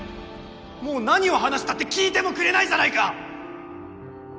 もう何を話したって聞いてもくれないじゃないか！